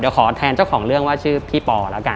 เดี๋ยวขอแทนเจ้าของเรื่องว่าชื่อพี่ปอแล้วกัน